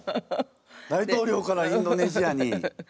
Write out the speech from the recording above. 大統領からはインドネシアに。